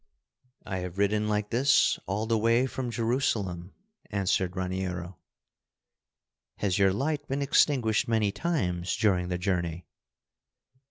"I have ridden like this all the way from Jerusalem," answered Raniero. "Has your light been extinguished many times during the journey?"